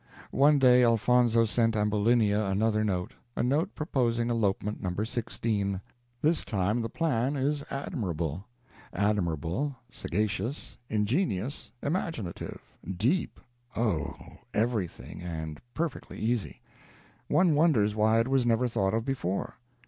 One day Elfonzo sent Ambulinia another note a note proposing elopement No. 16. This time the plan is admirable; admirable, sagacious, ingenious, imaginative, deep oh, everything, and perfectly easy. One wonders why it was never thought of before.